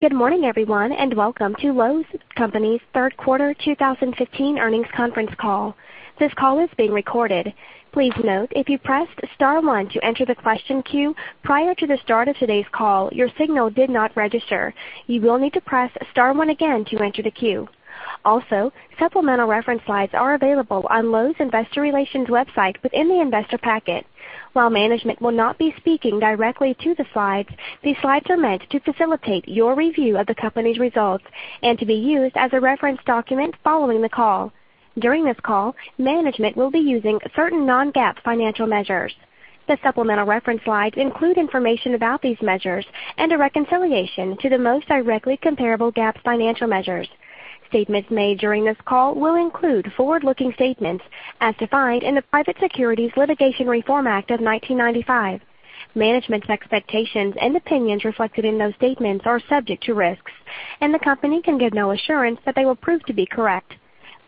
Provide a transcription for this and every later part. Good morning, everyone, and welcome to Lowe's Companies' third quarter 2015 earnings conference call. This call is being recorded. Please note, if you pressed star one to enter the question queue prior to the start of today's call, your signal did not register. You will need to press star one again to enter the queue. Also, supplemental reference slides are available on Lowes.com Investor Relations website within the investor packet. While management will not be speaking directly to the slides, these slides are meant to facilitate your review of the company's results and to be used as a reference document following the call. During this call, management will be using certain non-GAAP financial measures. The supplemental reference slides include information about these measures and a reconciliation to the most directly comparable GAAP financial measures. Statements made during this call will include forward-looking statements as defined in the Private Securities Litigation Reform Act of 1995. Management's expectations and opinions reflected in those statements are subject to risks, and the company can give no assurance that they will prove to be correct.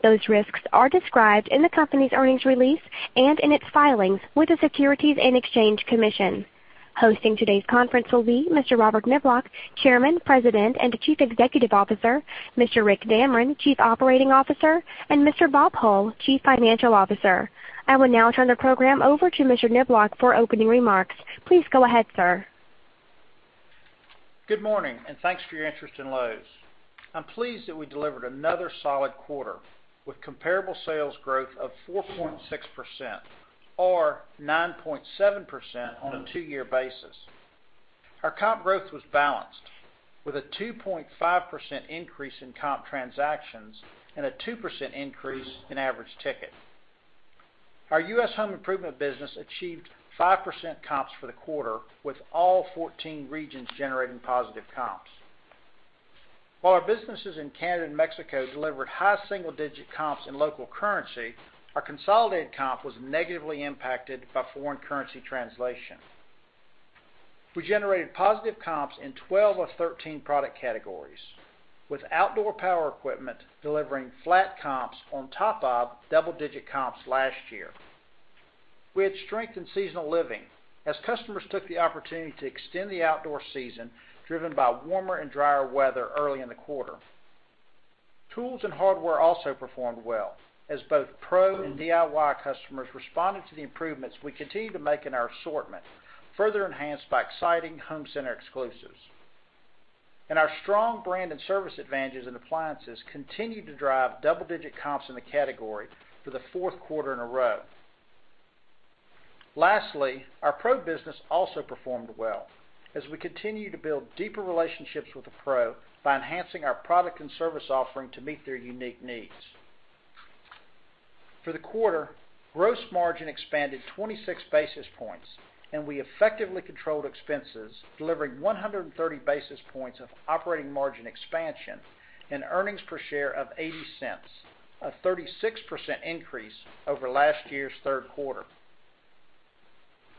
Those risks are described in the company's earnings release and in its filings with the Securities and Exchange Commission. Hosting today's conference will be Mr. Robert Niblock, Chairman, President, and Chief Executive Officer, Mr. Rick D. Damron, Chief Operating Officer, and Mr. Bob Hull, Chief Financial Officer. I will now turn the program over to Mr. Niblock for opening remarks. Please go ahead, sir. Good morning, and thanks for your interest in Lowe's. I'm pleased that we delivered another solid quarter with comparable sales growth of 4.6%, or 9.7% on a two-year basis. Our comp growth was balanced, with a 2.5% increase in comp transactions and a 2% increase in average ticket. Our U.S. home improvement business achieved 5% comps for the quarter, with all 14 regions generating positive comps. While our businesses in Canada and Mexico delivered high single-digit comps in local currency, our consolidated comp was negatively impacted by foreign currency translation. We generated positive comps in 12 of 13 product categories, with outdoor power equipment delivering flat comps on top of double-digit comps last year. We had strength in seasonal living as customers took the opportunity to extend the outdoor season, driven by warmer and drier weather early in the quarter. Tools and hardware also performed well as both pro and DIY customers responded to the improvements we continue to make in our assortment, further enhanced by exciting home center exclusives. And our strong brand and service advantages in appliances continued to drive double-digit comps in the category for the fourth quarter in a row. Lastly, our pro business also performed well as we continue to build deeper relationships with the pro by enhancing our product and service offering to meet their unique needs. For the quarter, gross margin expanded 26 basis points, and we effectively controlled expenses, delivering 130 basis points of operating margin expansion and earnings per share of $0.80, a 36% increase over last year's third quarter.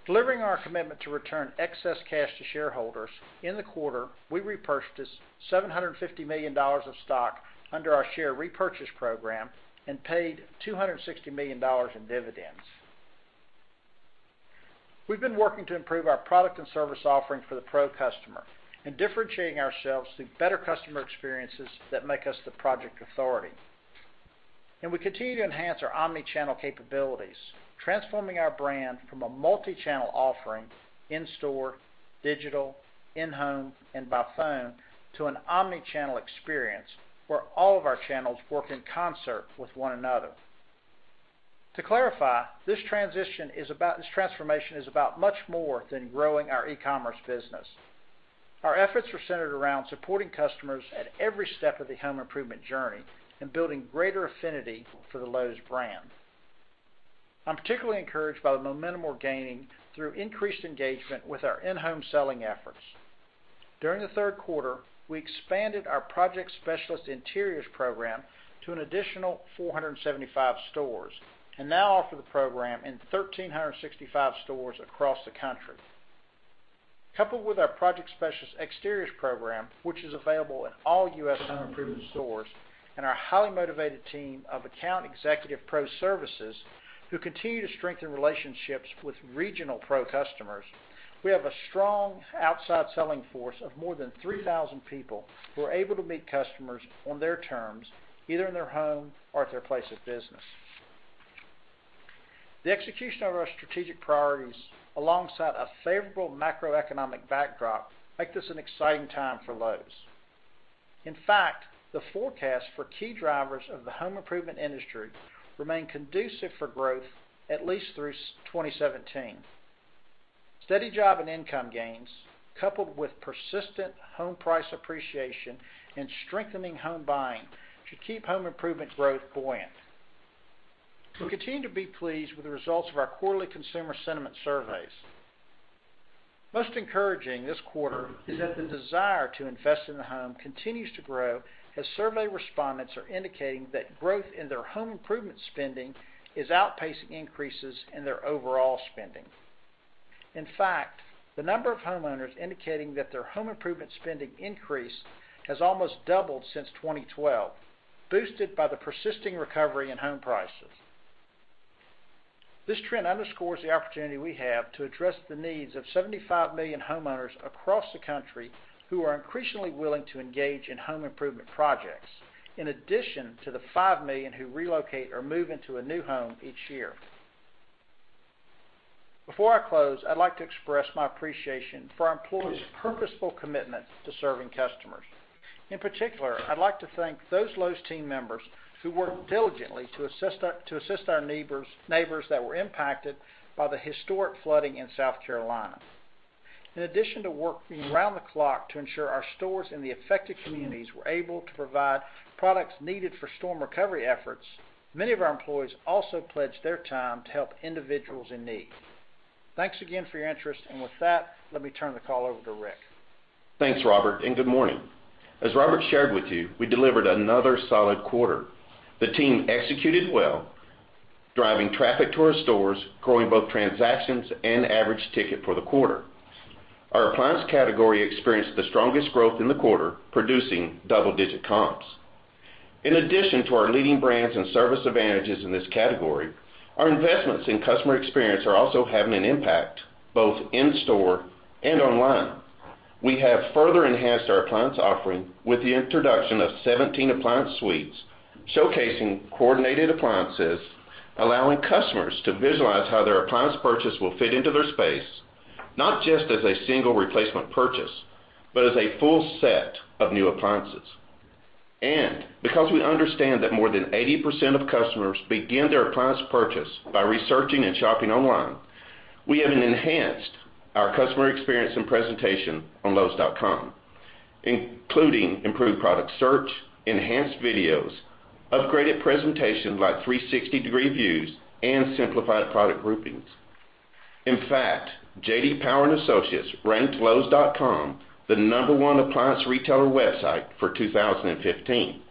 Delivering our commitment to return excess cash to shareholders, in the quarter, we repurchased $750 million of stock under our share repurchase program and paid $260 million in dividends. We've been working to improve our product and service offering for the pro customer and differentiating ourselves through better customer experiences that make us the project authority. We continue to enhance our omnichannel capabilities, transforming our brand from a multichannel offering in store, digital, in-home, and by phone to an omnichannel experience where all of our channels work in concert with one another. To clarify, this transformation is about much more than growing our e-commerce business. Our efforts are centered around supporting customers at every step of the home improvement journey and building greater affinity for the Lowe's brand. I'm particularly encouraged by the momentum we're gaining through increased engagement with our in-home selling efforts. During the third quarter, we expanded our Project Specialist Interiors program to an additional 475 stores and now offer the program in 1,365 stores across the country. Coupled with our Project Specialist Exteriors program, which is available in all U.S. home improvement stores, and our highly motivated team of Account Executive Pro Services, who continue to strengthen relationships with regional pro customers, we have a strong outside selling force of more than 3,000 people who are able to meet customers on their terms, either in their home or at their place of business. The execution of our strategic priorities alongside a favorable macroeconomic backdrop make this an exciting time for Lowe's. In fact, the forecast for key drivers of the home improvement industry remain conducive for growth at least through 2017. Steady job and income gains, coupled with persistent home price appreciation and strengthening home buying, should keep home improvement growth buoyant. We continue to be pleased with the results of our quarterly consumer sentiment surveys. Most encouraging this quarter is that the desire to invest in the home continues to grow as survey respondents are indicating that growth in their home improvement spending is outpacing increases in their overall spending. In fact, the number of homeowners indicating that their home improvement spending increased has almost doubled since 2012, boosted by the persisting recovery in home prices. This trend underscores the opportunity we have to address the needs of 75 million homeowners across the country who are increasingly willing to engage in home improvement projects, in addition to the 5 million who relocate or move into a new home each year. Before I close, I'd like to express my appreciation for our employees' purposeful commitment to serving customers. In particular, I'd like to thank those Lowe's team members who worked diligently to assist our neighbors that were impacted by the historic flooding in South Carolina. In addition to working around the clock to ensure our stores in the affected communities were able to provide products needed for storm recovery efforts, many of our employees also pledged their time to help individuals in need. Thanks again for your interest. With that, let me turn the call over to Rick. Thanks, Robert, good morning. As Robert shared with you, we delivered another solid quarter. The team executed well, driving traffic to our stores, growing both transactions and average ticket for the quarter. Our appliance category experienced the strongest growth in the quarter, producing double-digit comps. In addition to our leading brands and service advantages in this category, our investments in customer experience are also having an impact, both in store and online. We have further enhanced our appliance offering with the introduction of 17 appliance suites, showcasing coordinated appliances, allowing customers to visualize how their appliance purchase will fit into their space, not just as a single replacement purchase, but as a full set of new appliances. Because we understand that more than 80% of customers begin their appliance purchase by researching and shopping online, we have enhanced our customer experience and presentation on lowes.com, including improved product search, enhanced videos, upgraded presentation, like 360-degree views, and simplified product groupings. In fact, J.D. Power and Associates ranked lowes.com the number one appliance retailer website for 2015.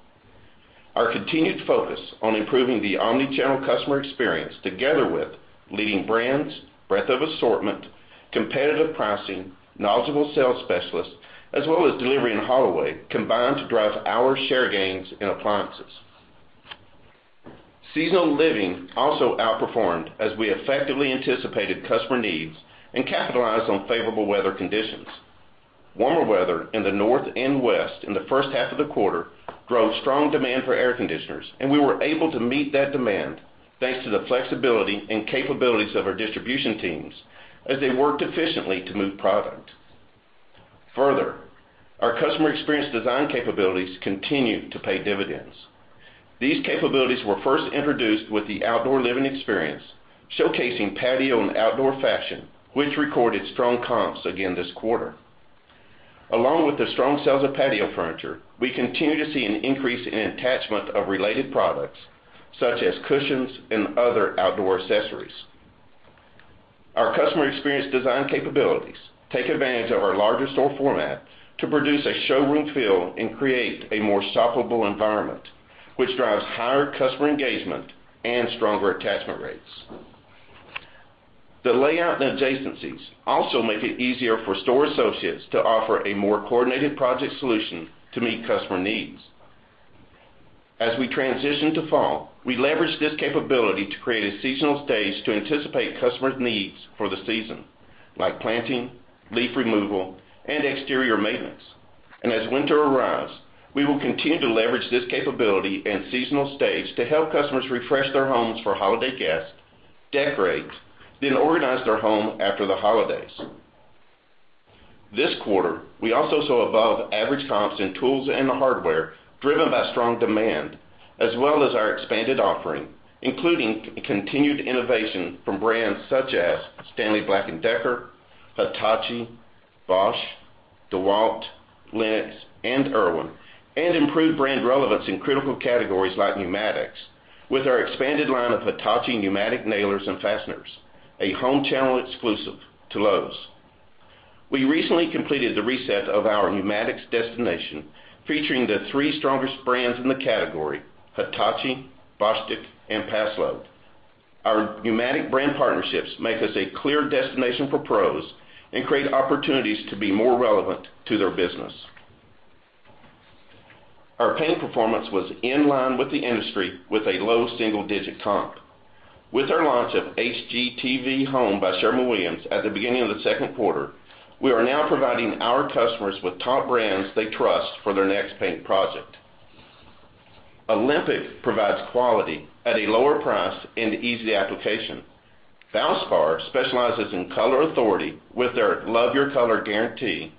Our continued focus on improving the omni-channel customer experience, together with leading brands, breadth of assortment, competitive pricing, knowledgeable sales specialists, as well as delivery and haul away, combine to drive our share gains in appliances. Seasonal living also outperformed as we effectively anticipated customer needs and capitalized on favorable weather conditions. Warmer weather in the north and west in the first half of the quarter drove strong demand for air conditioners, and we were able to meet that demand thanks to the flexibility and capabilities of our distribution teams as they worked efficiently to move product. Further, our customer experience design capabilities continue to pay dividends. These capabilities were first introduced with the outdoor living experience, showcasing patio and outdoor fashion, which recorded strong comps again this quarter. Along with the strong sales of patio furniture, we continue to see an increase in attachment of related products, such as cushions and other outdoor accessories. Our customer experience design capabilities take advantage of our larger store format to produce a showroom feel and create a more shoppable environment, which drives higher customer engagement and stronger attachment rates. The layout and adjacencies also make it easier for store associates to offer a more coordinated project solution to meet customer needs. As we transition to fall, we leverage this capability to create a seasonal stage to anticipate customers' needs for the season, like planting, leaf removal, and exterior maintenance. As winter arrives, we will continue to leverage this capability and seasonal stage to help customers refresh their homes for holiday guests, decorate, then organize their home after the holidays. This quarter, we also saw above-average comps in tools and hardware driven by strong demand as well as our expanded offering, including continued innovation from brands such as Stanley Black & Decker, Hitachi, Bosch, DEWALT, LENOX, and IRWIN, and improved brand relevance in critical categories like pneumatics with our expanded line of Hitachi pneumatic nailers and fasteners, a home channel exclusive to Lowe's. We recently completed the reset of our pneumatics destination, featuring the three strongest brands in the category, Hitachi, Bostitch, and Paslode. Our pneumatic brand partnerships make us a clear destination for pros and create opportunities to be more relevant to their business. Our paint performance was in line with the industry with a low single-digit comp. With our launch of HGTV Home by Sherwin-Williams at the beginning of the second quarter, we are now providing our customers with top brands they trust for their next paint project. Olympic provides quality at a lower price and easy application. Valspar specializes in color authority with their Love Your Color Guarantee.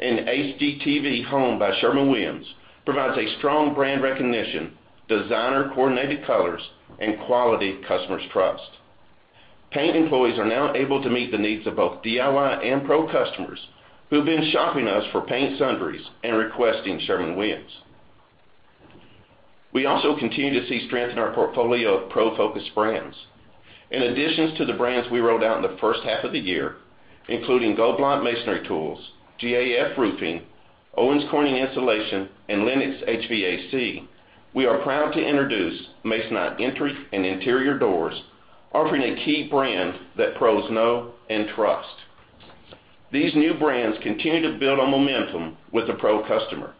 HGTV Home by Sherwin-Williams provides a strong brand recognition, designer-coordinated colors, and quality customers trust. Paint employees are now able to meet the needs of both DIY and pro customers who've been shopping us for paint sundries and requesting Sherwin-Williams. We also continue to see strength in our portfolio of pro-focused brands. In addition to the brands we rolled out in the first half of the year, including Goldblatt Masonry Tools, GAF Roofing, Owens Corning Insulation, and Lennox HVAC, we are proud to introduce Masonite Entry and Interior Doors, offering a key brand that pros know and trust. These new brands continue to build on momentum with the pro customer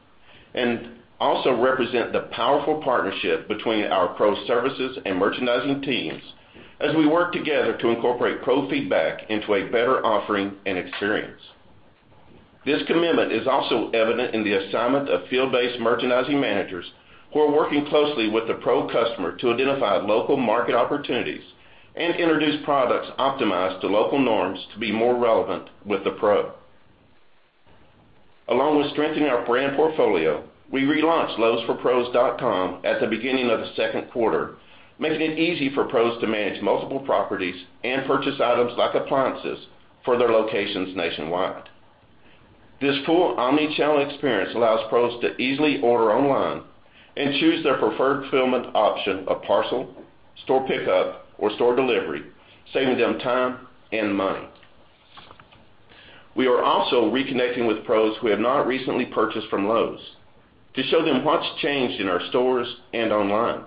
and also represent the powerful partnership between our Pro Services and merchandising teams as we work together to incorporate pro feedback into a better offering and experience. This commitment is also evident in the assignment of field-based merchandising managers who are working closely with the pro customer to identify local market opportunities and introduce products optimized to local norms to be more relevant with the pro. Along with strengthening our brand portfolio, we relaunched lowesforpros.com at the beginning of the second quarter, making it easy for pros to manage multiple properties and purchase items like appliances for their locations nationwide. This full omni-channel experience allows pros to easily order online and choose their preferred fulfillment option of parcel, store pickup, or store delivery, saving them time and money. We are also reconnecting with pros who have not recently purchased from Lowe's to show them what's changed in our stores and online.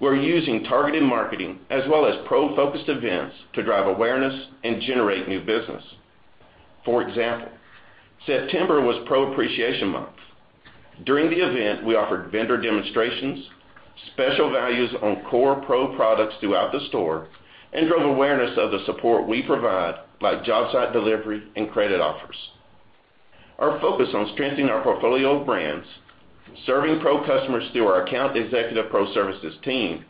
We're using targeted marketing as well as pro-focused events to drive awareness and generate new business. For example, September was Pro Appreciation Month. During the event, we offered vendor demonstrations, special values on core pro products throughout the store, and drove awareness of the support we provide, like job site delivery and credit offers. Our focus on strengthening our portfolio of brands, serving pro customers through our Account Executive Pro Services team,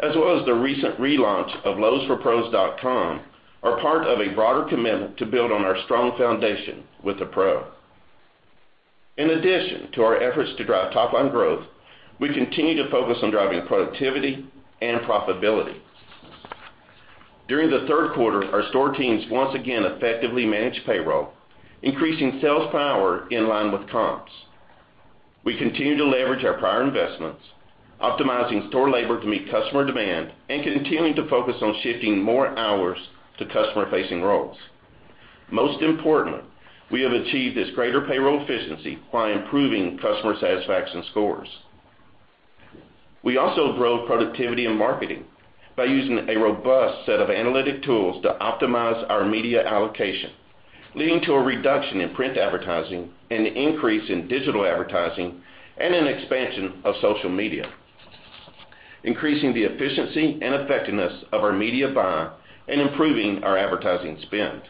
as well as the recent relaunch of lowesforpros.com, are part of a broader commitment to build on our strong foundation with the pro. In addition to our efforts to drive top-line growth, we continue to focus on driving productivity and profitability. During the third quarter, our store teams once again effectively managed payroll, increasing sales power in line with comps. We continue to leverage our prior investments, optimizing store labor to meet customer demand, and continuing to focus on shifting more hours to customer-facing roles. Most importantly, we have achieved this greater payroll efficiency while improving customer satisfaction scores. We also grow productivity and marketing by using a robust set of analytic tools to optimize our media allocation, leading to a reduction in print advertising and an increase in digital advertising, an expansion of social media, increasing the efficiency and effectiveness of our media buy and improving our advertising spend,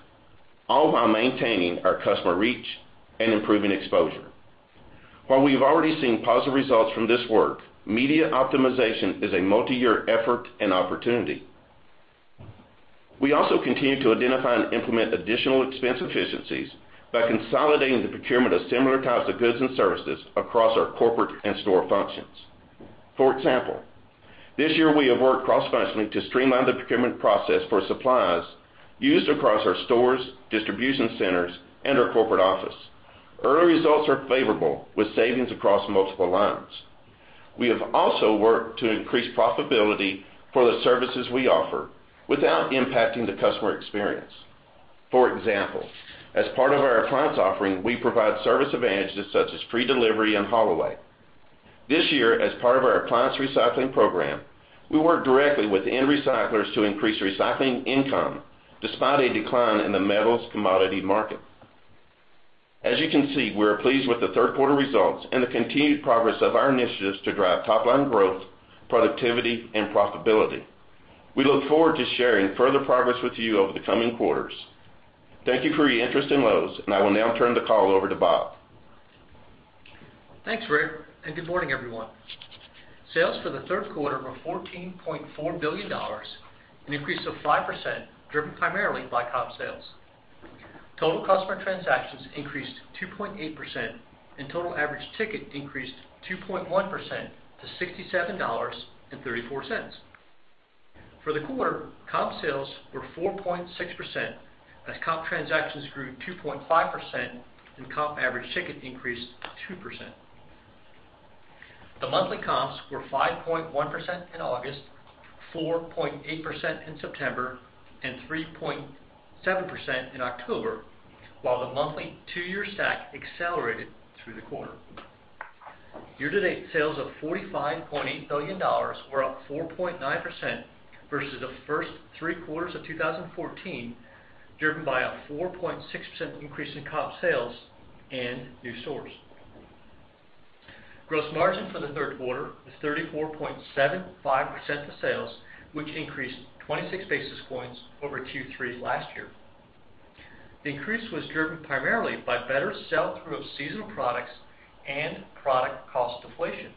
all while maintaining our customer reach and improving exposure. While we've already seen positive results from this work, media optimization is a multi-year effort and opportunity. We also continue to identify and implement additional expense efficiencies by consolidating the procurement of similar types of goods and services across our corporate and store functions. For example, this year we have worked cross-functionally to streamline the procurement process for supplies used across our stores, distribution centers, and our corporate office. Early results are favorable, with savings across multiple lines. We have also worked to increase profitability for the services we offer without impacting the customer experience. For example, as part of our appliance offering, we provide service advantages such as free delivery and haul away. This year, as part of our appliance recycling program, we work directly with end recyclers to increase recycling income despite a decline in the metals commodity market. As you can see, we are pleased with the third quarter results and the continued progress of our initiatives to drive top-line growth, productivity, and profitability. We look forward to sharing further progress with you over the coming quarters. Thank you for your interest in Lowe's. I will now turn the call over to Bob. Thanks, Rick. Good morning, everyone. Sales for the third quarter were $14.4 billion, an increase of 5%, driven primarily by comp sales. Total customer transactions increased 2.8%, and total average ticket increased 2.1% to $67.34. For the quarter, comp sales were 4.6% as comp transactions grew 2.5% and comp average ticket increased 2%. The monthly comps were 5.1% in August, 4.8% in September, and 3.7% in October, while the monthly two-year stack accelerated through the quarter. Year-to-date sales of $45.8 billion were up 4.9% versus the first three quarters of 2014, driven by a 4.6% increase in comp sales and new stores. Gross margin for the third quarter was 34.75% of sales, which increased 26 basis points over Q3 last year. The increase was driven primarily by better sell-through of seasonal products and product cost deflation.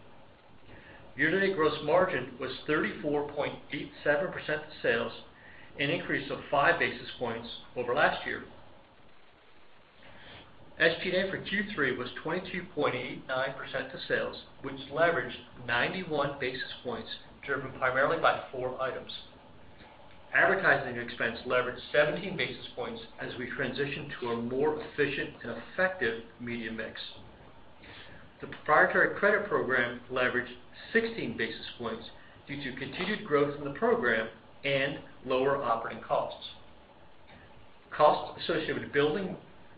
Year-to-date gross margin was 34.87% of sales, an increase of 5 basis points over last year. SG&A for Q3 was 22.89% to sales, which leveraged 91 basis points, driven primarily by 4 items. Advertising expense leveraged 17 basis points as we transition to a more efficient and effective media mix. The proprietary credit program leveraged 16 basis points due to continued growth in the program and lower operating costs. Costs associated with building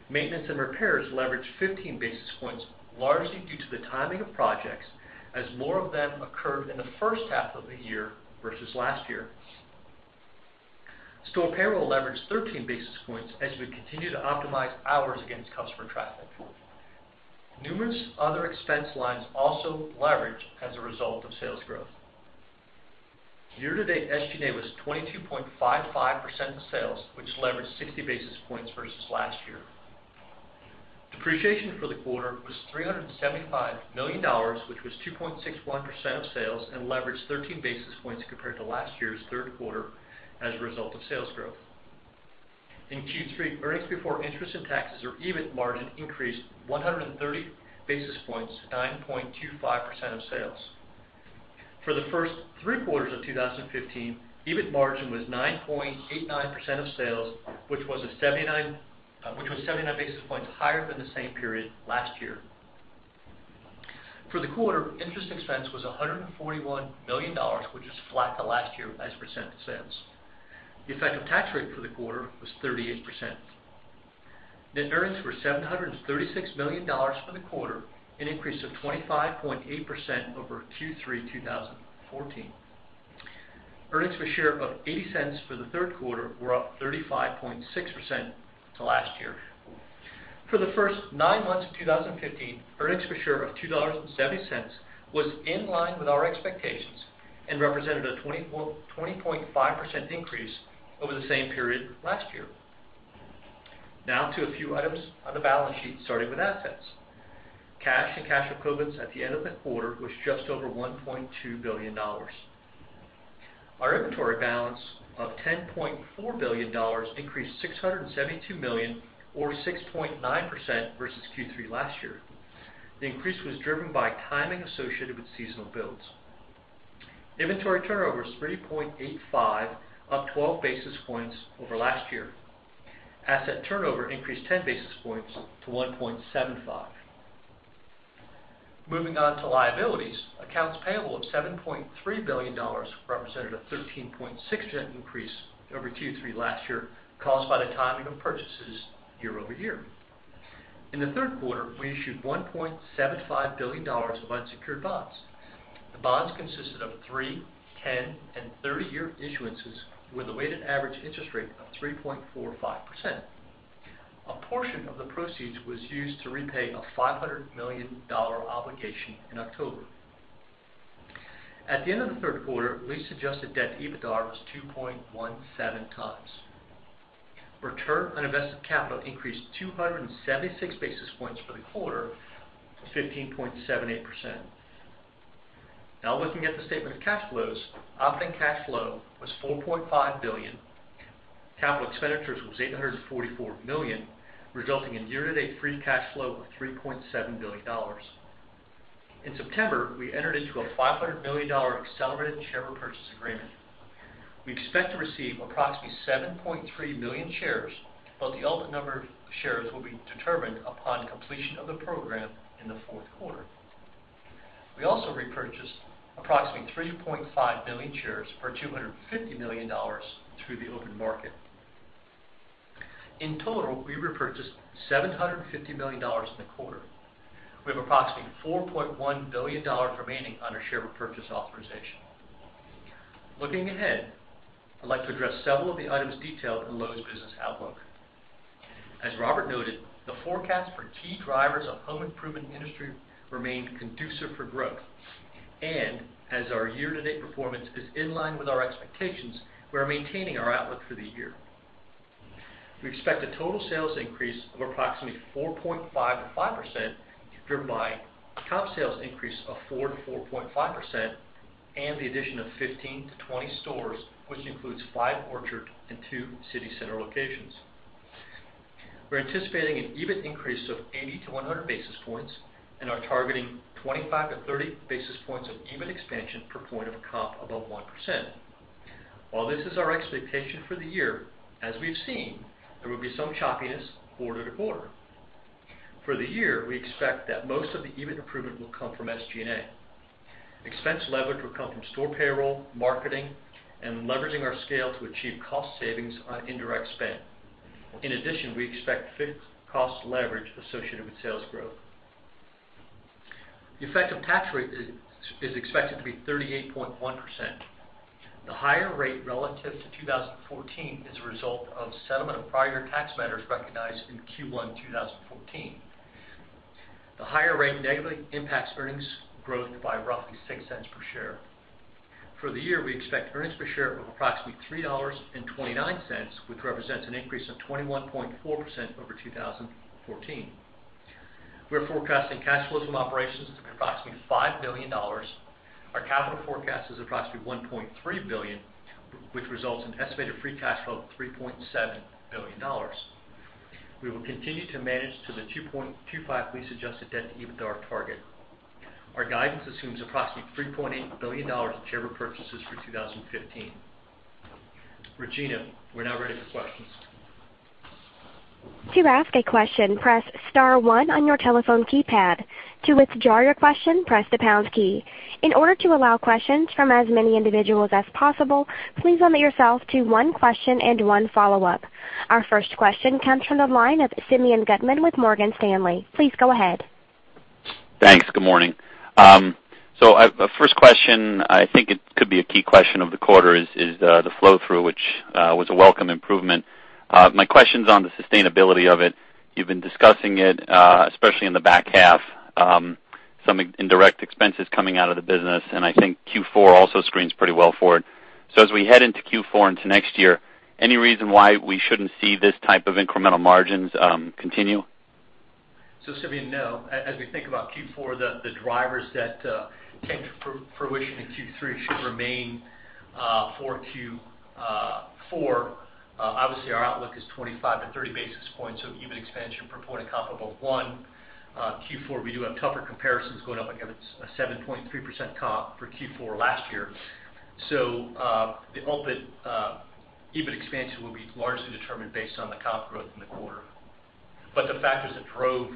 maintenance and repairs leveraged 15 basis points, largely due to the timing of projects, as more of them occurred in the first half of the year versus last year. Store payroll leveraged 13 basis points as we continue to optimize hours against customer traffic. Numerous other expense lines also leveraged as a result of sales growth. Year-to-date, SG&A was 22.55% of sales, which leveraged 60 basis points versus last year. Depreciation for the quarter was $375 million, which was 2.61% of sales and leveraged 13 basis points compared to last year's third quarter as a result of sales growth. In Q3, earnings before interest and taxes, or EBIT margin, increased 130 basis points to 9.25% of sales. For the first three quarters of 2015, EBIT margin was 9.89% of sales, which was 79 basis points higher than the same period last year. For the quarter, interest expense was $141 million, which was flat to last year as a % of sales. The effective tax rate for the quarter was 38%. Net earnings were $736 million for the quarter, an increase of 25.8% over Q3 2014. Earnings per share of $0.80 for the third quarter were up 35.6% to last year. For the first nine months of 2015, earnings per share of $2.70 was in line with our expectations and represented a 20.5% increase over the same period last year. To a few items on the balance sheet, starting with assets. Cash and cash equivalents at the end of the quarter was just over $1.2 billion. Our inventory balance of $10.4 billion increased $672 million or 6.9% versus Q3 last year. The increase was driven by timing associated with seasonal builds. Inventory turnover is 3.85, up 12 basis points over last year. Asset turnover increased 10 basis points to 1.75. Moving on to liabilities. Accounts payable of $7.3 billion represented a 13.6% increase over Q3 last year, caused by the timing of purchases year-over-year. In the third quarter, we issued $1.75 billion of unsecured bonds. The bonds consisted of 3, 10, and 30 year issuances with a weighted average interest rate of 3.45%. A portion of the proceeds was used to repay a $500 million obligation in October. At the end of the third quarter, lease-adjusted debt-to-EBITDA was 2.17 times. Return on invested capital increased 276 basis points for the quarter to 15.78%. Looking at the statement of cash flows. Operating cash flow was $4.5 billion. Capital expenditures was $844 million, resulting in year-to-date free cash flow of $3.7 billion. In September, we entered into a $500 million accelerated share repurchase agreement. We expect to receive approximately 7.3 million shares, but the ultimate number of shares will be determined upon completion of the program in the fourth quarter. We also repurchased approximately 3.5 million shares for $250 million through the open market. In total, we repurchased $750 million in the quarter. We have approximately $4.1 billion remaining on our share repurchase authorization. Looking ahead, I'd like to address several of the items detailed in Lowe's business outlook. As Robert noted, the forecast for key drivers of home improvement industry remained conducive for growth. As our year-to-date performance is in line with our expectations, we are maintaining our outlook for the year. We expect a total sales increase of approximately 4.5%-5%, driven by comp sales increase of 4%-4.5% and the addition of 15-20 stores, which includes 5 Orchard and 2 City Center locations. We're anticipating an EBIT increase of 80-100 basis points and are targeting 25-30 basis points of EBIT expansion per point of comp above 1%. While this is our expectation for the year, as we've seen, there will be some choppiness quarter-to-quarter. For the year, we expect that most of the EBIT improvement will come from SG&A. Expense leverage will come from store payroll, marketing, and leveraging our scale to achieve cost savings on indirect spend. In addition, we expect fixed cost leverage associated with sales growth. The effective tax rate is expected to be 38.1%. The higher rate relative to 2014 is a result of settlement of prior tax matters recognized in Q1 2014. The higher rate negatively impacts earnings growth by roughly $0.06 per share. For the year, we expect earnings per share of approximately $3.29, which represents an increase of 21.4% over 2014. We are forecasting cash flow from operations to be approximately $5 billion. Our capital forecast is approximately $1.3 billion, which results in estimated free cash flow of $3.7 billion. We will continue to manage to the 2.25 lease-adjusted debt-to-EBITDA target. Our guidance assumes approximately $3.8 billion in share repurchases for 2015. Regina, we're now ready for questions. To ask a question, press *1 on your telephone keypad. To withdraw your question, press the # key. In order to allow questions from as many individuals as possible, please limit yourself to one question and one follow-up. Our first question comes from the line of Simeon Gutman with Morgan Stanley. Please go ahead. Thanks. Good morning. My first question, I think it could be a key question of the quarter is the flow-through, which was a welcome improvement. My question's on the sustainability of it. You've been discussing it, especially in the back half, some indirect expenses coming out of the business, and I think Q4 also screens pretty well for it. As we head into Q4 into next year, any reason why we shouldn't see this type of incremental margins continue? Simeon, no. As we think about Q4, the drivers that came to fruition in Q3 should remain for Q4. Obviously, our outlook is 25 to 30 basis points of EBIT expansion per point of comparable one. Q4, we do have tougher comparisons going up against a 7.3% comp for Q4 last year. The EBIT expansion will be largely determined based on the comp growth in the quarter. The factors that drove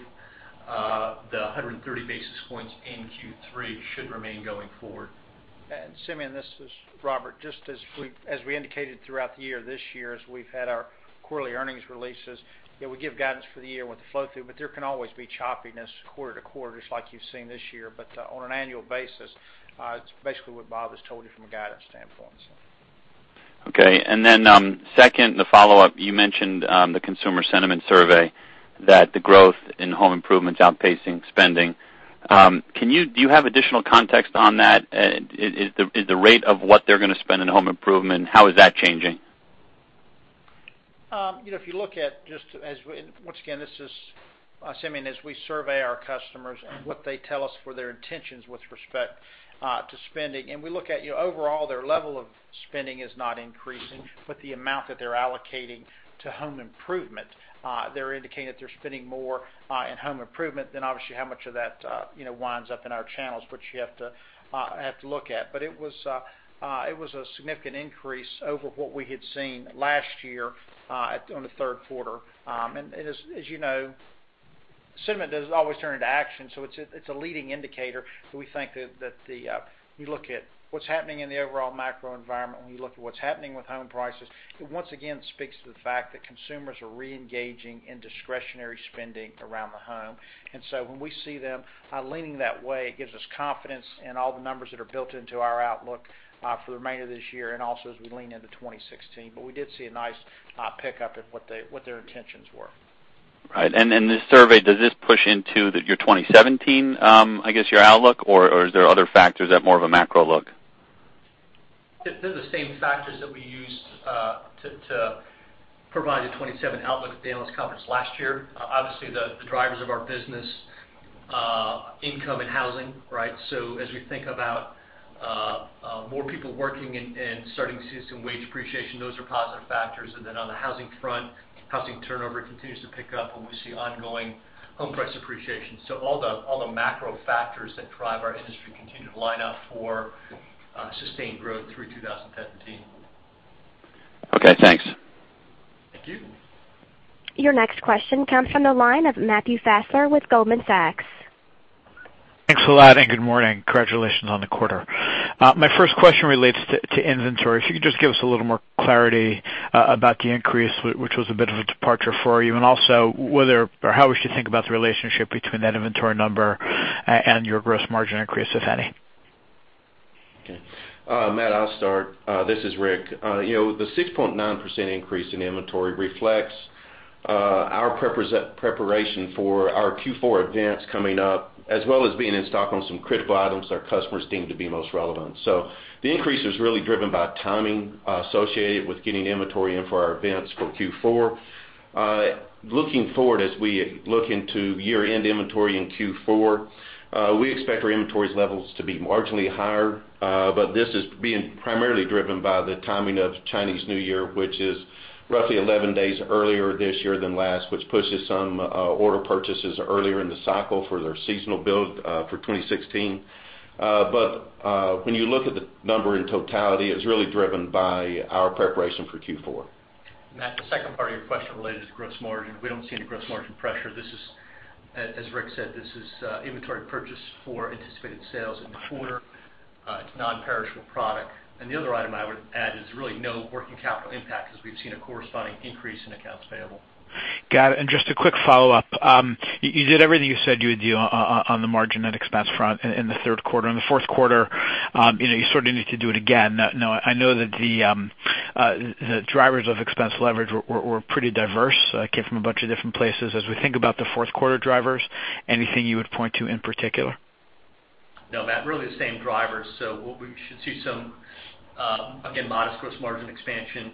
the 130 basis points in Q3 should remain going forward. Simeon, this is Robert. Just as we indicated throughout the year this year, as we've had our quarterly earnings releases, we give guidance for the year with the flow-through, there can always be choppiness quarter to quarter, just like you've seen this year. On an annual basis, it's basically what Bob has told you from a guidance standpoint. Second, the follow-up, you mentioned the consumer sentiment survey, that the growth in home improvement is outpacing spending. Do you have additional context on that? Is the rate of what they're going to spend in home improvement, how is that changing? If you look at, once again, this is. Simeon, as we survey our customers and what they tell us for their intentions with respect to spending, we look at overall, their level of spending is not increasing, the amount that they're allocating to home improvement. They're indicating that they're spending more in home improvement than obviously how much of that winds up in our channels, which you have to look at. It was a significant increase over what we had seen last year on the third quarter. As you know, sentiment doesn't always turn into action, it's a leading indicator. We think that you look at what's happening in the overall macro environment, when you look at what's happening with home prices, it once again speaks to the fact that consumers are reengaging in discretionary spending around the home. When we see them leaning that way, it gives us confidence in all the numbers that are built into our outlook for the remainder of this year and also as we lean into 2016. We did see a nice pickup in what their intentions were. Right. This survey, does this push into your 2017, I guess, your outlook, or are there other factors that more of a macro look? They're the same factors that we used to provide the 2017 outlook at the analyst conference last year. Obviously, the drivers of our business, income and housing, right? As we think about more people working and starting to see some wage appreciation, those are positive factors. On the housing front, housing turnover continues to pick up and we see ongoing home price appreciation. All the macro factors that drive our industry continue to line up for sustained growth through 2017. Okay, thanks. Thank you. Your next question comes from the line of Matthew Fassler with Goldman Sachs. Thanks a lot. Good morning. Congratulations on the quarter. My first question relates to inventory. If you could just give us a little more clarity about the increase, which was a bit of a departure for you, and also how we should think about the relationship between that inventory number and your gross margin increase, if any. Okay. Matt, I'll start. This is Rick. The 6.9% increase in inventory reflects our preparation for our Q4 events coming up, as well as being in stock on some critical items our customers deem to be most relevant. The increase is really driven by timing associated with getting inventory in for our events for Q4. Looking forward, as we look into year-end inventory in Q4, we expect our inventories levels to be marginally higher. This is being primarily driven by the timing of Chinese New Year, which is roughly 11 days earlier this year than last, which pushes some order purchases earlier in the cycle for their seasonal build for 2016. When you look at the number in totality, it's really driven by our preparation for Q4. Matt, the second part of your question related to gross margin. We don't see any gross margin pressure. As Rick said, this is inventory purchase for anticipated sales in the quarter. It's non-perishable product. The other item I would add is really no working capital impact because we've seen a corresponding increase in accounts payable. Got it. Just a quick follow-up. You did everything you said you would do on the margin and expense front in the third quarter. In the fourth quarter, you sort of need to do it again. I know that the drivers of expense leverage were pretty diverse, came from a bunch of different places. As we think about the fourth quarter drivers, anything you would point to in particular? No, Matt, really the same drivers. We should see some, again, modest gross margin expansion.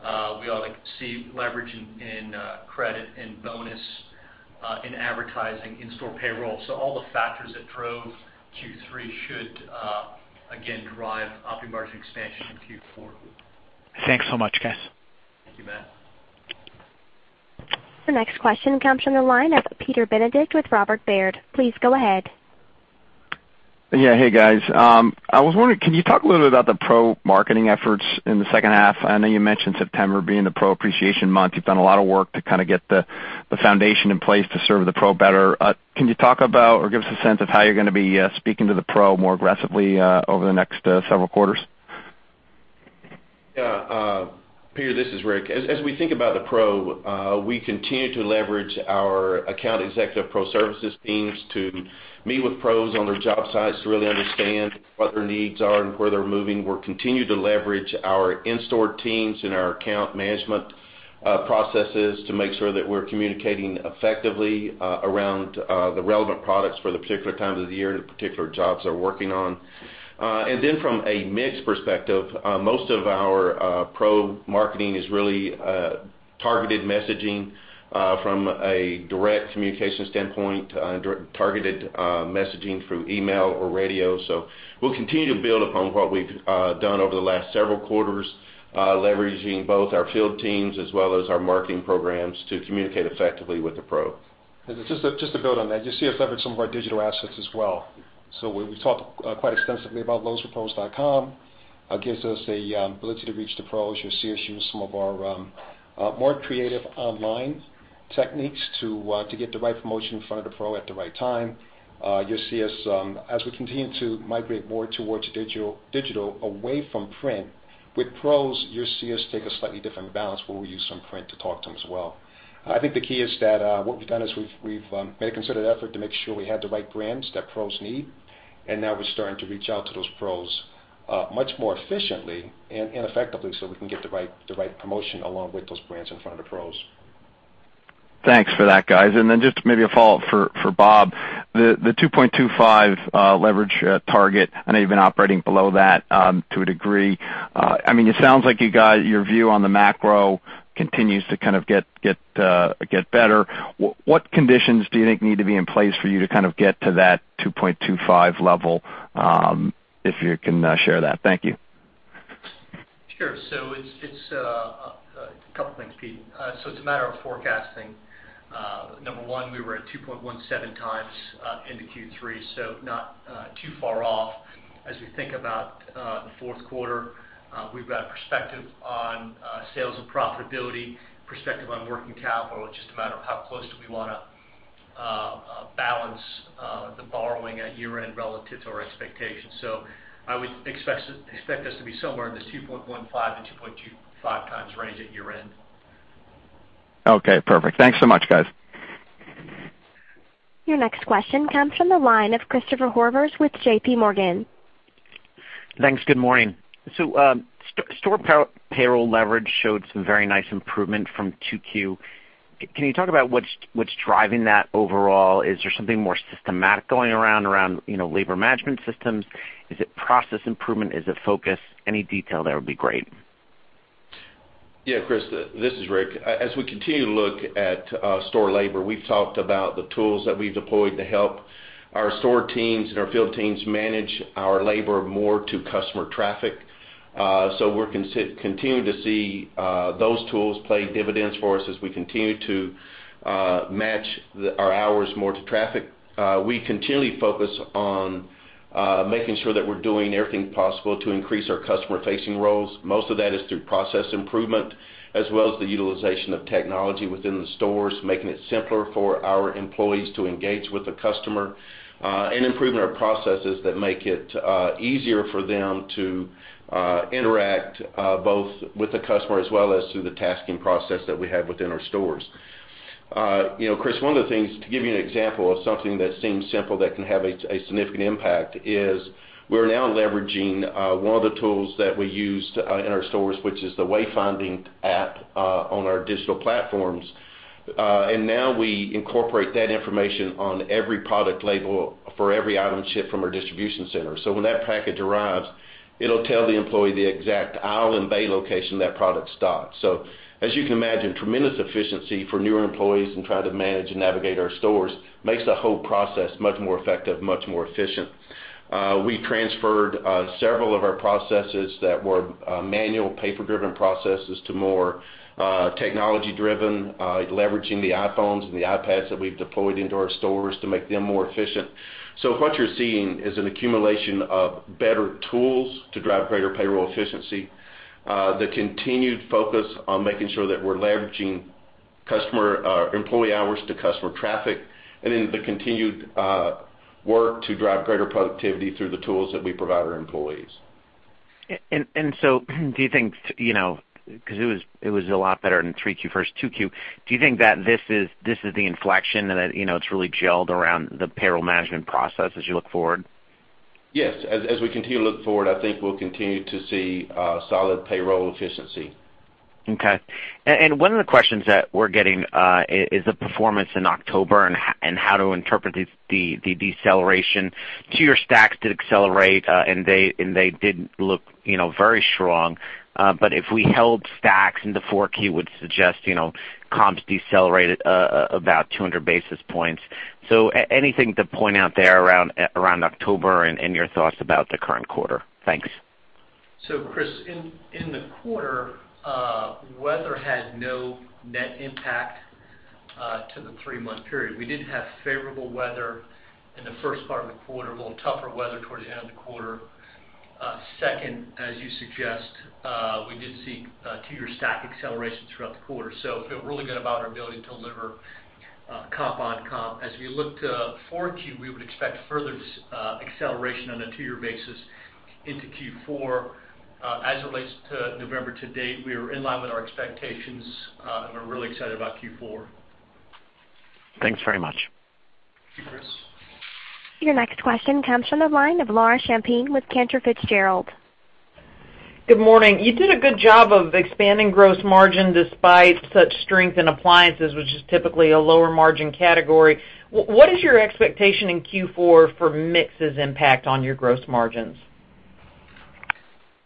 We ought to see leverage in credit and bonus, in advertising, in store payroll. All the factors that drove Q3 should again drive operating margin expansion in Q4. Thanks so much, guys. Thank you, Matt. The next question comes from the line of Peter Benedict with Robert Baird. Please go ahead. Yeah. Hey, guys. I was wondering, can you talk a little bit about the pro marketing efforts in the second half? I know you mentioned September being the pro appreciation month. You've done a lot of work to kind of get the foundation in place to serve the pro better. Can you talk about or give us a sense of how you're going to be speaking to the pro more aggressively over the next several quarters? Yeah. Peter, this is Rick. As we think about the pro, we continue to leverage our Account Executive Pro Services teams to meet with pros on their job sites to really understand what their needs are and where they're moving. We'll continue to leverage our in-store teams and our account management processes to make sure that we're communicating effectively around the relevant products for the particular time of the year, the particular jobs they're working on. From a mix perspective, most of our pro marketing is really targeted messaging from a direct communication standpoint, targeted messaging through email or radio. We'll continue to build upon what we've done over the last several quarters, leveraging both our field teams as well as our marketing programs to communicate effectively with the pro. Just to build on that, you see us leverage some of our digital assets as well. We've talked quite extensively about lowesforpros.com. Gives us the ability to reach the pros. You'll see us use some of our more creative online techniques to get the right promotion in front of the pro at the right time. You'll see us, as we continue to migrate more towards digital, away from print. With pros, you'll see us take a slightly different balance where we use some print to talk to them as well. I think the key is that what we've done is we've made a considered effort to make sure we have the right brands that pros need, and now we're starting to reach out to those pros much more efficiently and effectively so we can get the right promotion along with those brands in front of the pros. Thanks for that, guys. Then just maybe a follow-up for Bob. The 2.25 leverage target, I know you've been operating below that to a degree. It sounds like you got your view on the macro continues to kind of get better. What conditions do you think need to be in place for you to kind of get to that 2.25 level? If you can share that. Thank you. Sure. It's a couple things, Pete. It's a matter of forecasting. Number 1, we were at 2.17 times into Q3, not too far off. As we think about the fourth quarter, we've got a perspective on sales and profitability, perspective on working capital. It's just a matter of how close do we want to balance the borrowing at year-end relative to our expectations. I would expect us to be somewhere in this 2.15-2.25 times range at year-end. Okay, perfect. Thanks so much, guys. Your next question comes from the line of Christopher Horvers with JPMorgan. Thanks, good morning. Store payroll leverage showed some very nice improvement from 2Q. Can you talk about what's driving that overall? Is there something more systematic going around labor management systems? Is it process improvement? Is it focus? Any detail there would be great. Yeah, Chris, this is Rick. As we continue to look at store labor, we've talked about the tools that we've deployed to help our store teams and our field teams manage our labor more to customer traffic. We're continuing to see those tools play dividends for us as we continue to match our hours more to traffic. We continually focus on making sure that we're doing everything possible to increase our customer-facing roles. Most of that is through process improvement, as well as the utilization of technology within the stores, making it simpler for our employees to engage with the customer, and improving our processes that make it easier for them to interact both with the customer as well as through the tasking process that we have within our stores. Chris, one of the things, to give you an example of something that seems simple that can have a significant impact is we're now leveraging one of the tools that we used in our stores, which is the wayfinding app on our digital platforms. Now we incorporate that information on every product label for every item shipped from our distribution center. When that package arrives, it'll tell the employee the exact aisle and bay location that product's stocked. As you can imagine, tremendous efficiency for newer employees in trying to manage and navigate our stores. Makes the whole process much more effective, much more efficient. We transferred several of our processes that were manual paper-driven processes to more technology-driven, leveraging the iPhones and the iPads that we've deployed into our stores to make them more efficient. What you're seeing is an accumulation of better tools to drive greater payroll efficiency, the continued focus on making sure that we're leveraging employee hours to customer traffic, and then the continued work to drive greater productivity through the tools that we provide our employees. Do you think, because it was a lot better in 3Q versus 2Q, do you think that this is the inflection and that it's really gelled around the payroll management process as you look forward? Yes. As we continue to look forward, I think we'll continue to see solid payroll efficiency. Okay. One of the questions that we're getting is the performance in October and how to interpret the deceleration. Two-year stacks did accelerate, and they did look very strong. If we held stacks into 4Q would suggest comps decelerated about 200 basis points. Anything to point out there around October and your thoughts about the current quarter? Thanks. Chris, in the quarter, weather had no net impact to the 3-month period. We did have favorable weather in the first part of the quarter, a little tougher weather towards the end of the quarter. As you suggest, we did see 2-year stack acceleration throughout the quarter. Feel really good about our ability to deliver Comp on comp. As we look to 4Q, we would expect further acceleration on a 2-year basis into Q4. As it relates to November to date, we are in line with our expectations, and we're really excited about Q4. Thanks very much. Thank you, Chris. Your next question comes from the line of Laura Champine with Cantor Fitzgerald. Good morning. You did a good job of expanding gross margin despite such strength in appliances, which is typically a lower margin category. What is your expectation in Q4 for mix's impact on your gross margins?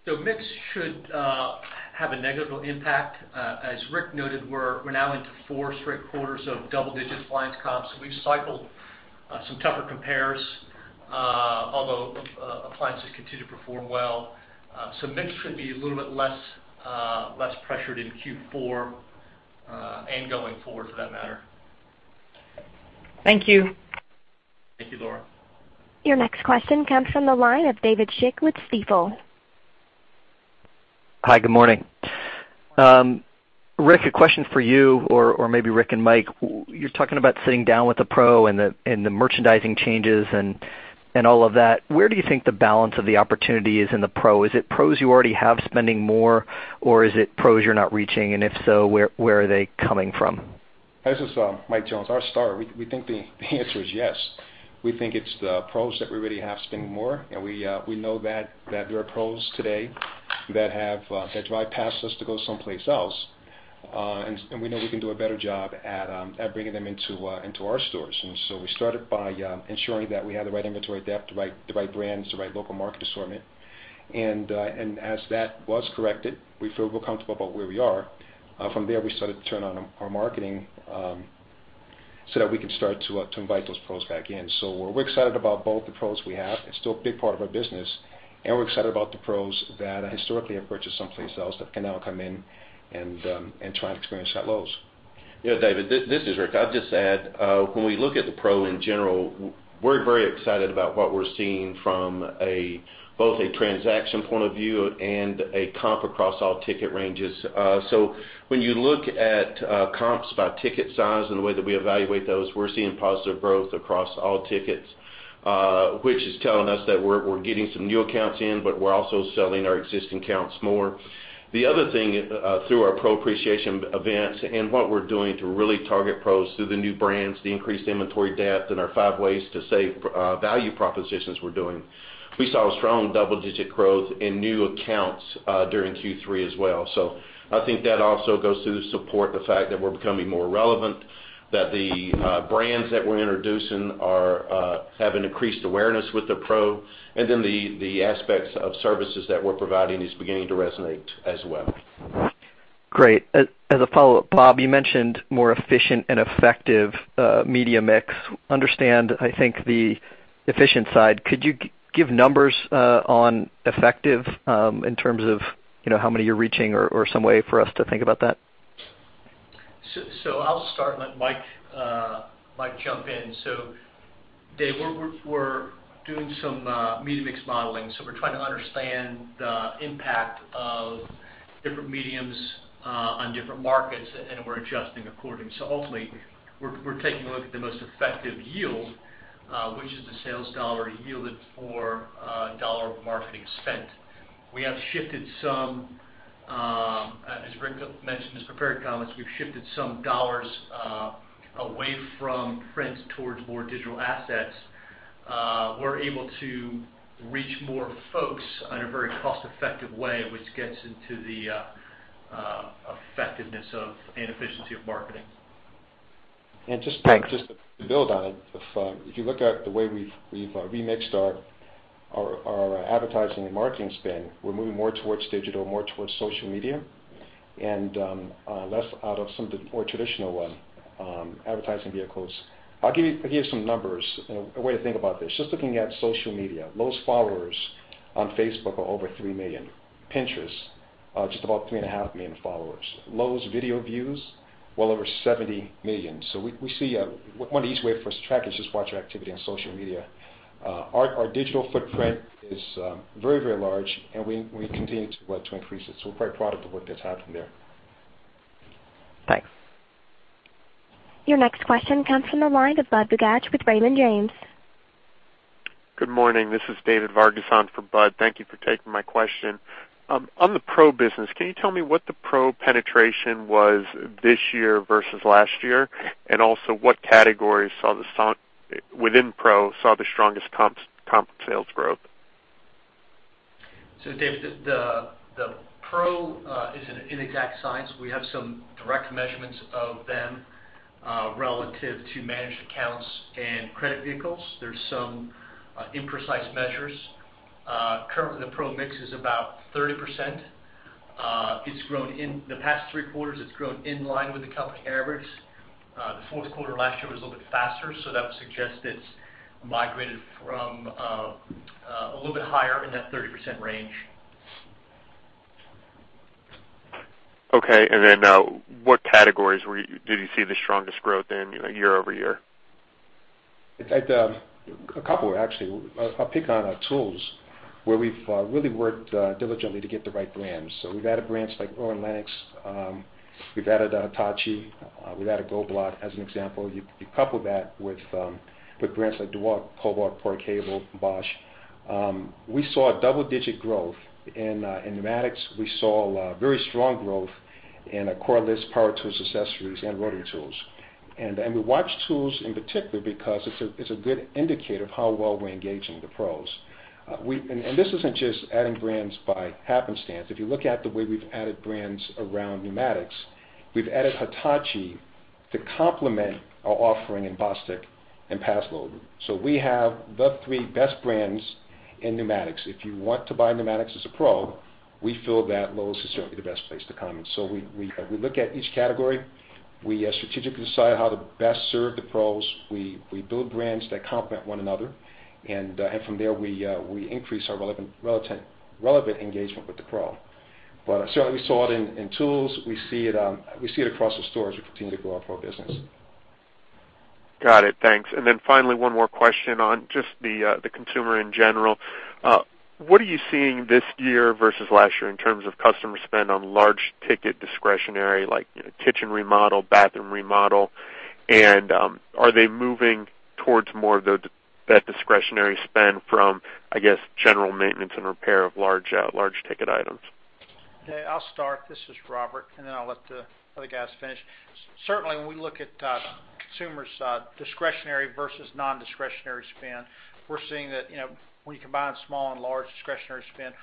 Mix should have a negligible impact. As Rick noted, we're now into four straight quarters of double-digit appliance comps. We've cycled some tougher compares. Although appliances continue to perform well. Mix should be a little bit less pressured in Q4, and going forward for that matter. Thank you. Thank you, Laura. Your next question comes from the line of David Schick with Stifel. Hi, good morning. Rick, a question for you or maybe Rick and Mike. You're talking about sitting down with a pro and the merchandising changes and all of that. Where do you think the balance of the opportunity is in the pro? Is it pros you already have spending more, or is it pros you're not reaching, and if so, where are they coming from? This is Mike Jones. I'll start. We think the answer is yes. We think it's the pros that we already have spending more, we know that there are pros today that drive past us to go someplace else. We know we can do a better job at bringing them into our stores. We started by ensuring that we have the right inventory depth, the right brands, the right local market assortment. As that was corrected, we feel real comfortable about where we are. From there, we started to turn on our marketing, so that we can start to invite those pros back in. We're excited about both the pros we have. It's still a big part of our business, and we're excited about the pros that historically have purchased someplace else that can now come in and try and experience that Lowe's. Yeah, David, this is Rick. I'll just add, when we look at the pro in general, we're very excited about what we're seeing from both a transaction point of view and a comp across all ticket ranges. When you look at comps by ticket size and the way that we evaluate those, we're seeing positive growth across all tickets, which is telling us that we're getting some new accounts in, but we're also selling our existing accounts more. The other thing, through our pro appreciation events and what we're doing to really target pros through the new brands, the increased inventory depth, and our five ways to save value propositions we're doing. We saw strong double-digit growth in new accounts during Q3 as well. I think that also goes to support the fact that we're becoming more relevant, that the brands that we're introducing have an increased awareness with the pro, the aspects of services that we're providing is beginning to resonate as well. Great. As a follow-up, Bob, you mentioned more efficient and effective media mix. Understand, I think, the efficient side. Could you give numbers on effective, in terms of how many you're reaching or some way for us to think about that? I'll start and let Mike jump in. Dave, we're doing some media mix modeling. We're trying to understand the impact of different mediums on different markets, and we're adjusting according. Ultimately, we're taking a look at the most effective yield, which is the sales $1 yielded for $1 of marketing spent. As Rick mentioned in his prepared comments, we've shifted some dollars away from prints towards more digital assets. We're able to reach more folks in a very cost-effective way, which gets into the effectiveness and efficiency of marketing. Just to build on it. If you look at the way we've remixed our advertising and marketing spend, we're moving more towards digital, more towards social media, and less out of some of the more traditional advertising vehicles. I'll give you some numbers and a way to think about this. Just looking at social media, Lowe's followers on Facebook are over 3 million. Pinterest, just about 3.5 million followers. Lowe's video views, well over 70 million. One of the easy ways for us to track is just watch our activity on social media. Our digital footprint is very large, and we continue to increase it. We're very proud of the work that's happened there. Thanks. Your next question comes from the line of Budd Bugatch with Raymond James. Good morning. This is David Vargas on for Budd. Thank you for taking my question. On the pro business, can you tell me what the pro penetration was this year versus last year? Also, what categories within pro saw the strongest comp sales growth? David, the pro isn't an exact science. We have some direct measurements of them, relative to managed accounts and credit vehicles. There's some imprecise measures. Currently, the pro mix is about 30%. In the past three quarters, it's grown in line with the company average. The fourth quarter last year was a little bit faster, so that would suggest it's migrated from a little bit higher in that 30% range. Okay. Then what categories did you see the strongest growth in year-over-year? A couple, actually. I'll pick on our tools, where we've really worked diligently to get the right brands. We've added brands like Irwin, Lenox, we've added Hitachi, we've added Goldblatt, as an example. You couple that with brands like DeWalt, Kobalt, Porter-Cable, Bosch. We saw double-digit growth in pneumatics. We saw very strong growth in cordless power tools accessories and rotary tools. We watch tools in particular because it's a good indicator of how well we're engaging the pros. This isn't just adding brands by happenstance. If you look at the way we've added brands around pneumatics, we've added Hitachi to complement our offering in Bostitch and Paslode. We have the three best brands in pneumatics. If you want to buy pneumatics as a pro, we feel that Lowe's is certainly the best place to come. We look at each category. We strategically decide how to best serve the pros. We build brands that complement one another, and from there, we increase our relevant engagement with the pro. Certainly, we saw it in tools. We see it across the stores as we continue to grow our pro business. Got it. Thanks. Then finally, one more question on just the consumer in general. What are you seeing this year versus last year in terms of customer spend on large ticket discretionary, like kitchen remodel, bathroom remodel? Are they moving towards more of that discretionary spend from, I guess, general maintenance and repair of large ticket items? Okay, I'll start. This is Robert, and then I'll let the other guys finish. Certainly, when we look at consumers' discretionary versus non-discretionary spend, we're seeing that when you combine small and large discretionary spend,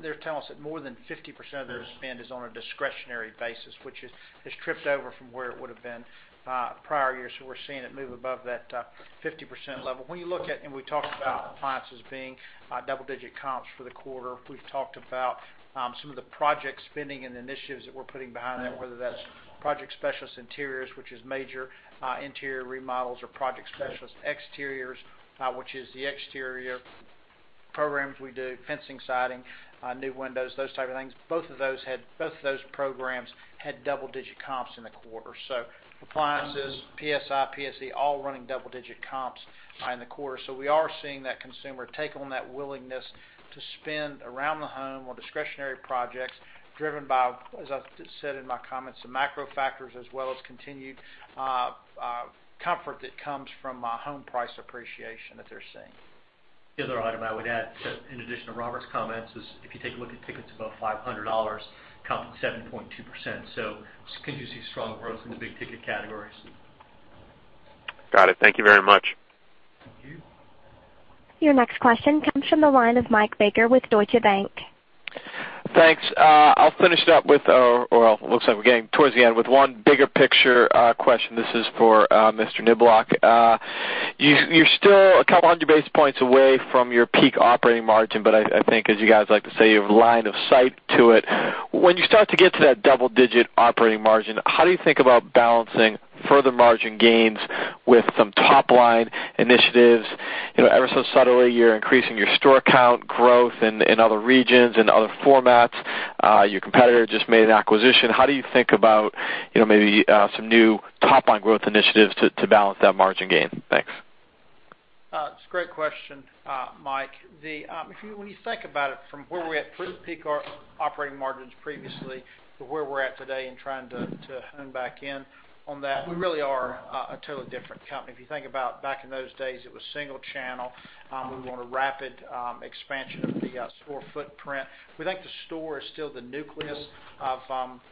they're telling us that more than 50% of their spend is on a discretionary basis, which has tripped over from where it would have been prior years. We're seeing it move above that 50% level. When you look at, and we talked about appliances being double-digit comps for the quarter. We've talked about some of the project spending and initiatives that we're putting behind that, whether that's Project Specialist Interiors, which is major interior remodels, or Project Specialist Exteriors, which is the exterior programs we do, fencing, siding, new windows, those type of things. Both of those programs had double-digit comps in the quarter. Appliances, PSI, PSE, all running double-digit comps in the quarter. We are seeing that consumer take on that willingness to spend around the home on discretionary projects driven by, as I said in my comments, the macro factors as well as continued comfort that comes from home price appreciation that they're seeing. The other item I would add, in addition to Robert's comments, is if you take a look at tickets above $500, comped 7.2%. Continue to see strong growth in the big ticket categories. Got it. Thank you very much. Thank you. Your next question comes from the line of Michael Baker with Deutsche Bank. Thanks. I'll finish it up with, or it looks like we're getting towards the end, with one bigger picture question. This is for Mr. Niblock. You're still a 200 basis points away from your peak operating margin, but I think as you guys like to say, you have line of sight to it. When you start to get to that double-digit operating margin, how do you think about balancing further margin gains with some top-line initiatives? Ever so subtly, you're increasing your store count growth in other regions and other formats. Your competitor just made an acquisition. How do you think about maybe some new top-line growth initiatives to balance that margin gain? Thanks. It's a great question, Mike. When you think about it from where we at peak operating margins previously to where we're at today and trying to hone back in on that, we really are a totally different company. If you think about back in those days, it was single channel. We were on a rapid expansion of the store footprint. We think the store is still the nucleus of our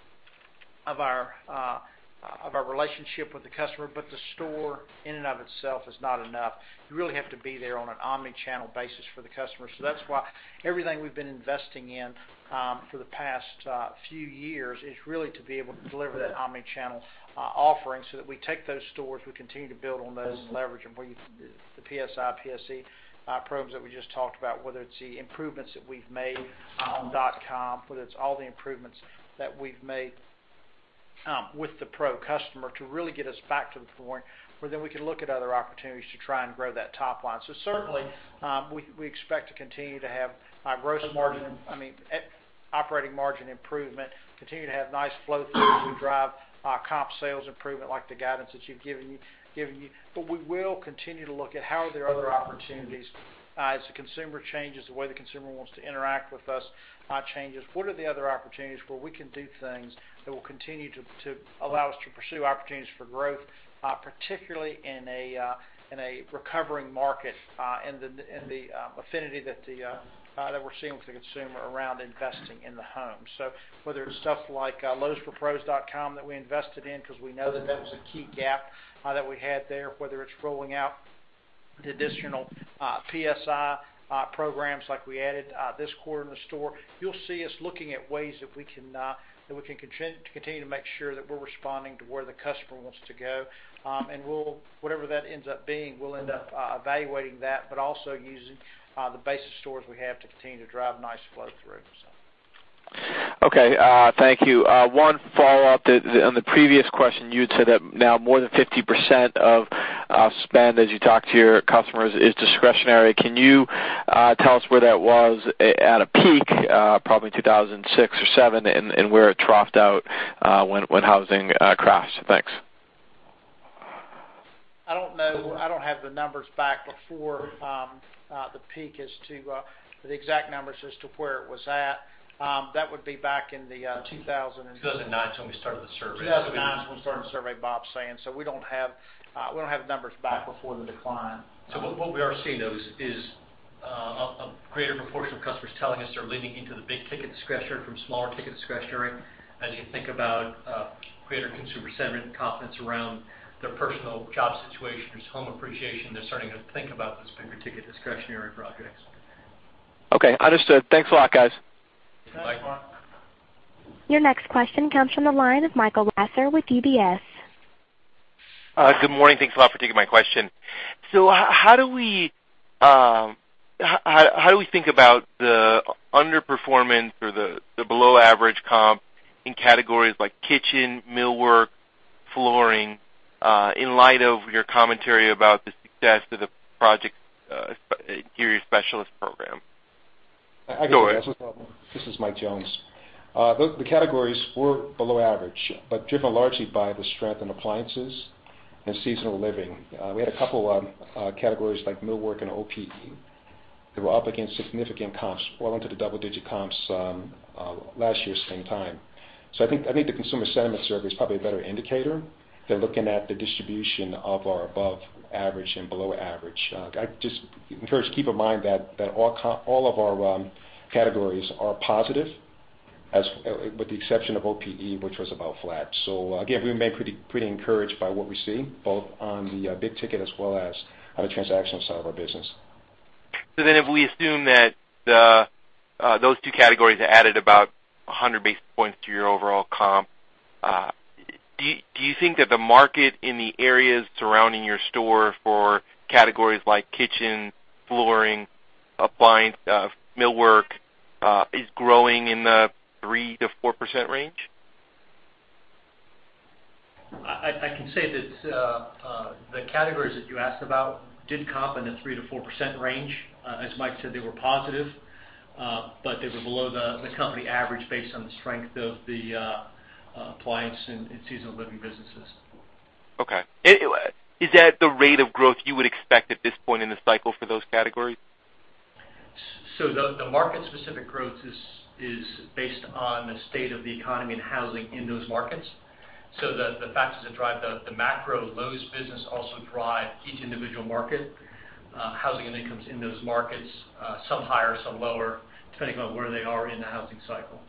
relationship with the customer, but the store in and of itself is not enough. You really have to be there on an omni-channel basis for the customer. That's why everything we've been investing in for the past few years is really to be able to deliver that omni-channel offering so that we take those stores, we continue to build on those and leverage them, the PSI, PSE probes that we just talked about, whether it's the improvements that we've made on lowes.com, whether it's all the improvements that we've made with the pro customer to really get us back to the point where then we can look at other opportunities to try and grow that top line. Certainly, we expect to continue to have gross margin, operating margin improvement, continue to have nice flow through as we drive comp sales improvement like the guidance that we've given you. We will continue to look at how are there other opportunities as the consumer changes, the way the consumer wants to interact with us changes. What are the other opportunities where we can do things that will continue to allow us to pursue opportunities for growth, particularly in a recovering market and the affinity that we're seeing with the consumer around investing in the home. Whether it's stuff like lowesforpros.com that we invested in because we know that that was a key gap that we had there, whether it's rolling out additional PSI programs like we added this quarter in the store, you'll see us looking at ways that we can continue to make sure that we're responding to where the customer wants to go. Whatever that ends up being, we'll end up evaluating that, but also using the base of stores we have to continue to drive nice flow through. Okay. Thank you. One follow-up. On the previous question, you had said that now more than 50% of spend as you talk to your customers is discretionary. Can you tell us where that was at a peak, probably 2006 or 2007, and where it troughed out when housing crashed? Thanks. No, I don't have the numbers back before the peak as to the exact numbers as to where it was at. That would be back in the- 2009 is when we started the survey. 2009 is when we started the survey, Bob's saying. We don't have numbers back before the decline. What we are seeing, though, is a greater proportion of customers telling us they're leaning into the big-ticket discretionary from smaller ticket discretionary. As you think about greater consumer sentiment and confidence around their personal job situation, there is home appreciation. They're starting to think about those bigger ticket discretionary projects. Okay, understood. Thanks a lot, guys. Thanks, Mike. Your next question comes from the line of Michael Lasser with UBS. Good morning. Thanks a lot for taking my question. How do we think about the underperformance or the below-average comp in categories like kitchen, millwork, flooring, in light of your commentary about the success of the Project Specialist program? Go ahead. This is Mike Jones. The categories were below average, but driven largely by the strength in appliances and seasonal living. We had a couple categories like millwork and OPE that were up against significant comps, well into the double-digit comps last year, same time. I think the consumer sentiment survey is probably a better indicator than looking at the distribution of our above average and below average. I just encourage to keep in mind that all of our categories are positive, with the exception of OPE, which was about flat. Again, we remain pretty encouraged by what we see both on the big ticket as well as on the transactional side of our business. If we assume that those two categories added about 100 basis points to your overall comp, do you think that the market in the areas surrounding your store for categories like kitchen, flooring, appliance, millwork, is growing in the 3%-4% range? I can say that the categories that you asked about did comp in the 3%-4% range. As Mike said, they were positive. They were below the company average based on the strength of the appliance and seasonal living businesses. Okay. Is that the rate of growth you would expect at this point in the cycle for those categories? The market-specific growth is based on the state of the economy and housing in those markets. The factors that drive the macro Lowe's business also drive each individual market, housing and incomes in those markets, some higher, some lower, depending on where they are in the housing cycle.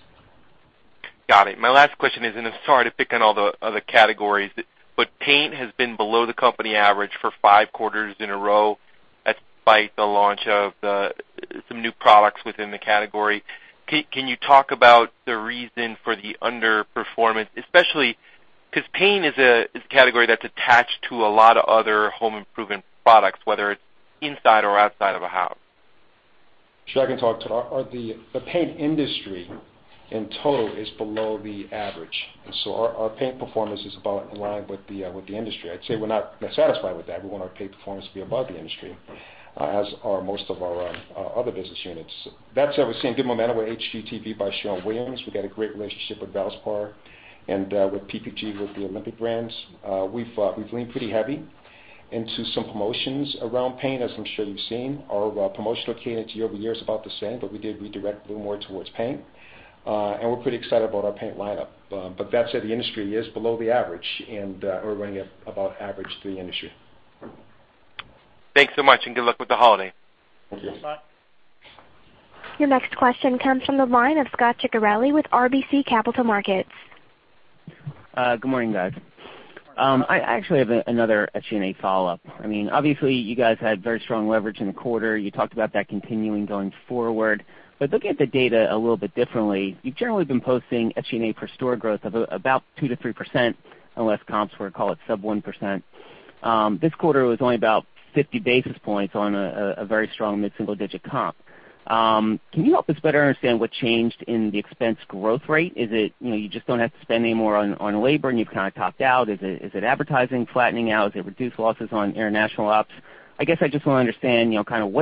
Got it. My last question is, I'm sorry to pick on all the other categories, Paint has been below the company average for five quarters in a row, despite the launch of some new products within the category. Can you talk about the reason for the underperformance, especially because paint is a category that's attached to a lot of other home improvement products, whether it's inside or outside of a house. Sure, I can talk to that. The paint industry in total is below the average, and so our paint performance is about in line with the industry. I'd say we're not satisfied with that. We want our paint performance to be above the industry, as are most of our other business units. That said, we're seeing good momentum with HGTV by Sherwin-Williams. We've got a great relationship with Valspar and with PPG, with the Olympic brands. We've leaned pretty heavy into some promotions around paint, as I'm sure you've seen. Our promotional cadence year-over-year is about the same, but we did redirect a little more towards paint. We're pretty excited about our paint lineup. That said, the industry is below the average, and we're running at about average to the industry. Thanks so much, and good luck with the holiday. Thanks, Mike. Your next question comes from the line of Scot Ciccarelli with RBC Capital Markets. Good morning, guys. I actually have another SG&A follow-up. Obviously, you guys had very strong leverage in the quarter. You talked about that continuing going forward. Looking at the data a little bit differently, you've generally been posting SG&A per store growth of about 2%-3% unless comps were, call it, sub 1%. This quarter was only about 50 basis points on a very strong mid-single-digit comp. Can you help us better understand what changed in the expense growth rate? Is it you just don't have to spend any more on labor, and you've kind of topped out? Is it advertising flattening out? Is it reduced losses on international ops? I guess I just want to understand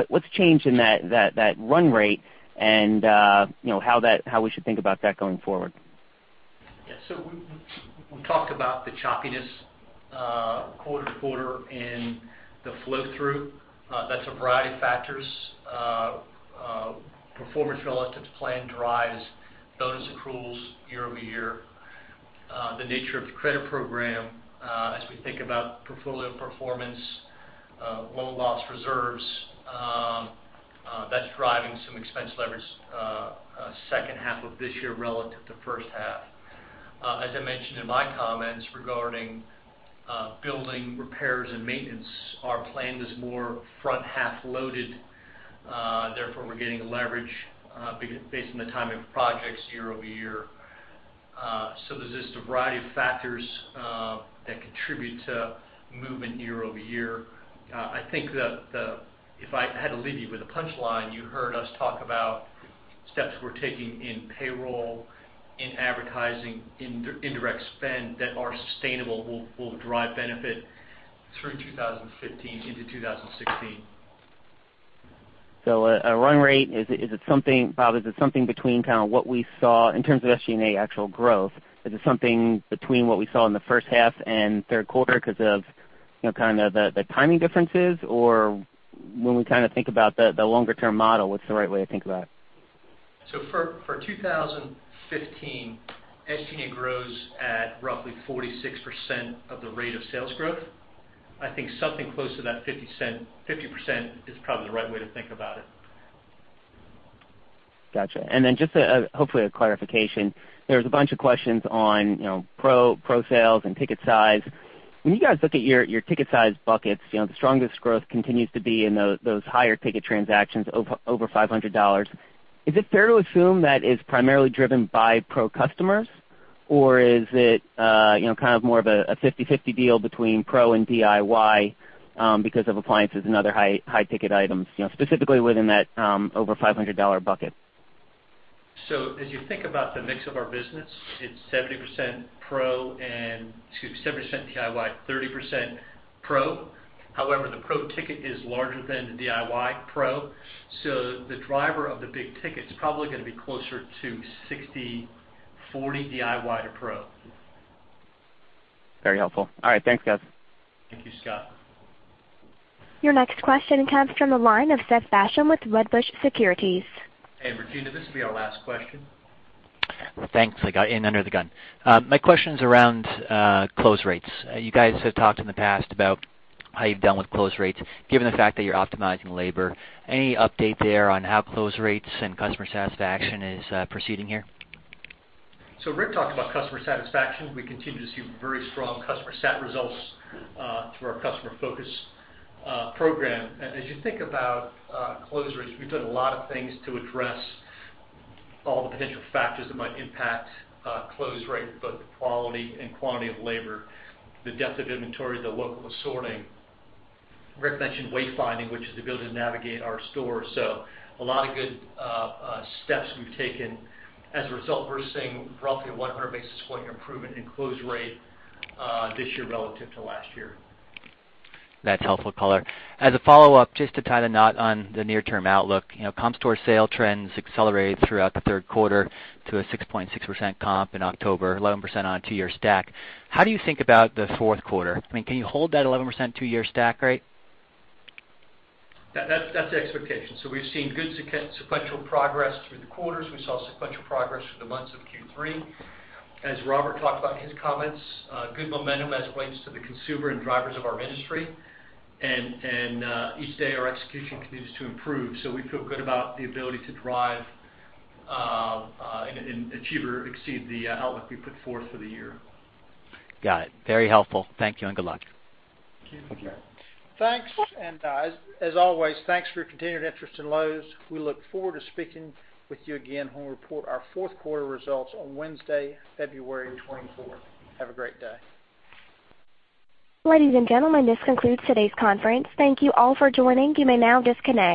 what's changed in that run rate and how we should think about that going forward. Yeah. We talked about the choppiness quarter to quarter in the flow-through. That's a variety of factors. Performance relative to plan drives bonus accruals year-over-year. The nature of the credit program as we think about portfolio performance, loan loss reserves, that's driving some expense leverage second half of this year relative to first half. As I mentioned in my comments regarding building repairs and maintenance, our plan is more front-half loaded. Therefore, we're getting leverage based on the timing of projects year-over-year. There's just a variety of factors that contribute to movement year-over-year. I think that if I had to leave you with a punchline, you heard us talk about steps we're taking in payroll, in advertising, indirect spend that are sustainable, will drive benefit through 2015 into 2016. A run rate, Bob, is it something between what we saw in terms of SG&A actual growth? Is it something between what we saw in the first half and third quarter because of the timing differences? When we think about the longer-term model, what's the right way to think about it? For 2015, SG&A grows at roughly 46% of the rate of sales growth. I think something close to that 50% is probably the right way to think about it. Got you. Just, hopefully, a clarification. There was a bunch of questions on pro sales and ticket size. When you guys look at your ticket size buckets, the strongest growth continues to be in those higher ticket transactions over $500. Is it fair to assume that it's primarily driven by pro customers, or is it more of a 50/50 deal between pro and DIY because of appliances and other high-ticket items, specifically within that over $500 bucket? As you think about the mix of our business, it's 70% DIY, 30% pro. However, the pro ticket is larger than the DIY pro, so the driver of the big ticket is probably going to be closer to 60/40 DIY to pro. Very helpful. All right. Thanks, guys. Thank you, Scot. Your next question comes from the line of Seth Basham with Wedbush Securities. Regina, this will be our last question. Thanks. I got in under the gun. My question's around close rates. You guys have talked in the past about how you've dealt with close rates, given the fact that you're optimizing labor. Any update there on how close rates and customer satisfaction is proceeding here? Rick talked about customer satisfaction. We continue to see very strong customer sat results through our customer focus program. As you think about close rates, we've done a lot of things to address all the potential factors that might impact close rate, both the quality and quantity of labor, the depth of inventory, the local assorting. Rick mentioned wayfinding, which is the ability to navigate our store. A lot of good steps we've taken. As a result, we're seeing roughly a 100 basis point improvement in close rate this year relative to last year. That's helpful color. As a follow-up, just to tie the knot on the near-term outlook. Comp store sale trends accelerated throughout the third quarter to a 6.6% comp in October, 11% on a two-year stack. How do you think about the fourth quarter? Can you hold that 11% two-year stack rate? That's the expectation. We've seen good sequential progress through the quarters. We saw sequential progress through the months of Q3. As Robert talked about in his comments, good momentum as it relates to the consumer and drivers of our industry. Each day, our execution continues to improve, so we feel good about the ability to drive and achieve or exceed the outlook we put forth for the year. Got it. Very helpful. Thank you and good luck. Thank you. Thanks. As always, thanks for your continued interest in Lowe's. We look forward to speaking with you again when we report our fourth quarter results on Wednesday, February 24th. Have a great day. Ladies and gentlemen, this concludes today's conference. Thank you all for joining. You may now disconnect.